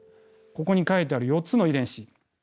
ここに書いてある４つの遺伝子。